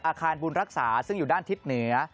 อาคารบุญรักษาซึ่งอยู่ด้านทิศเหนือ